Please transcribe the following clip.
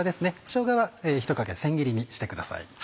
しょうがはひとかけ千切りにしてください。